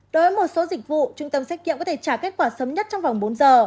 đối với một số dịch vụ trung tâm xét nghiệm có thể trả kết quả sớm nhất trong vòng bốn giờ